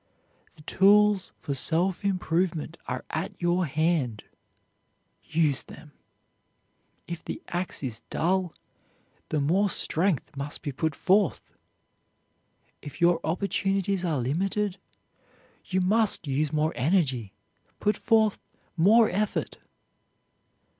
The tools for self improvement are at your hand, use them. If the ax is dull the more strength must be put forth. If your opportunities are limited you must use more energy, put forth more effort.